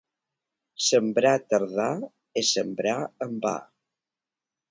Sembrar tardà és sembrar en va.